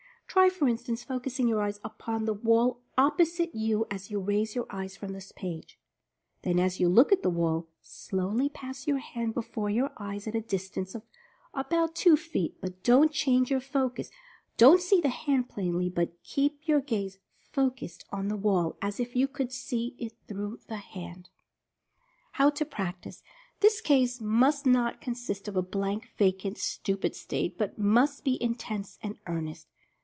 Try for instance focusing your eyes upon the wall op posite you as you raise your eyes from this page; Then as you look at the wall, slowly pass your hand before your eyes at a distance of about two feet, but don't change your focus — don't see the hand plainly, but keep your gaze focused on the wall, as if you could see it through the hand. The Fascination of the Eye 227 HOW TO PRACTICE. This gaze must not consist of a blank, vacant, stu pid state, but must be intense and earnest.